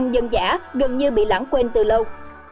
dân dã gần như bị lãng quên từ lâu